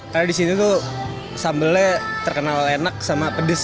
karena di sini tuh sambelnya terkenal enak sama pedas